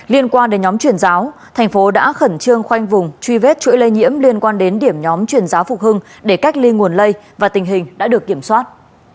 liên quan đến nhóm truyền giáo tp hcm đã khẩn trương khoanh vùng truy vết chuỗi lây nhiễm liên quan đến điểm nhóm truyền giáo phục hưng để cách ly nguồn lây và tình hình đã được kiểm soát